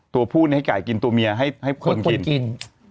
ตัวผู้นี้ให้ไก่กินตัวเมียให้ให้คนกินให้คนกิน